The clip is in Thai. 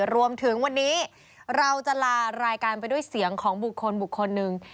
รวมถึงวันนี้เราจะลารายการไปด้วยเสียงของบุคคลบุคคลหนึ่ง